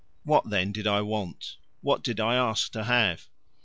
What, then, did I want? what did I ask to have?